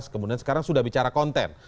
kemudian sekarang sudah bicara konten